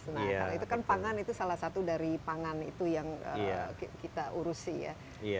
nah karena itu kan pangan itu salah satu dari pangan itu yang kita urusi ya